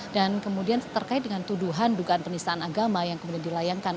dan kemudian terkait dengan tuduhan dugaan penistaan agama yang kemudian dilayangkan